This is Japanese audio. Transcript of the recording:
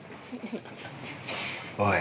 おい！